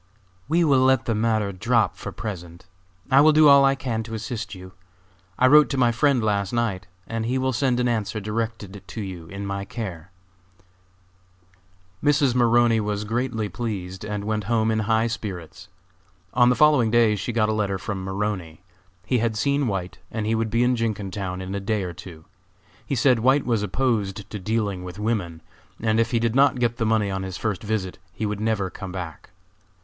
"We will let the matter drop for the present. I will do all I can to assist you. I wrote to my friend last night, and he will send an answer directed to you in my care." Mrs. Maroney was greatly pleased and went home in high spirits. On the following day she got a letter from Maroney; he had seen White, and he would be in Jenkintown in a day or two. He said White was opposed to dealing with women, and if he did not get the money on his first visit, he would never come back.